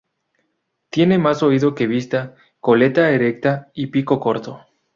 Tienen más oído que vista, cola erecta y pico corto.